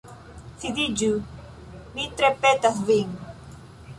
Sidiĝu, mi tre petas vin.